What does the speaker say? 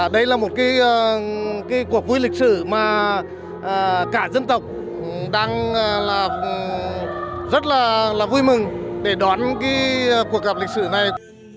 đây là một cuộc vui lịch sử mà cả dân tộc đang rất là vui mừng để đón cuộc gặp lịch sử này